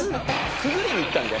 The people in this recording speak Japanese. くぐりにいったんだよ。